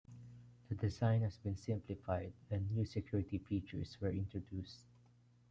The design has been simplified and new security features were introduced.